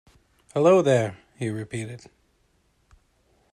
‘Hallo there!’ he repeated.